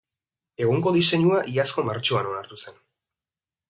Egungo diseinua iazko martxoan onartu zen.